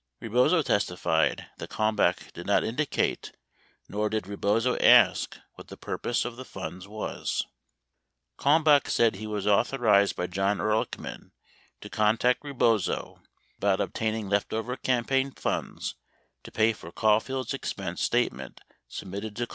97 Rebozo testified that Kalmbach did not indicate nor did Rebozo ask what the purpose of the funds was. 98 Kalmbach said that he was authorized by John Ehrlichman to con tact Rebozo about obtaining leftover campaign funds to pay for Caulfield's expense statement submitted to Kalmbach.